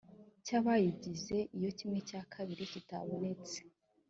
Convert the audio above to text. cy abayigize iyo kimwe cya kabiri kitabonetse